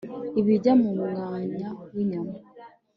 Ibijya mu Mwanya wInyama